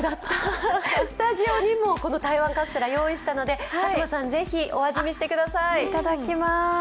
スタジオにもこの台湾カステラ、用意したので佐久間さん、是非お味見してください。